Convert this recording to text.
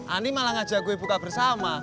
ani malah ngajak gue buka bersama